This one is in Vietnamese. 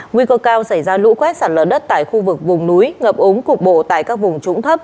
nguy cơ cao xảy ra lũ quét sạt lở đất tại khu vực vùng núi ngập ống cục bộ tại các vùng trũng thấp